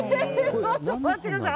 待ってください。